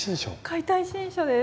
「解体新書」です。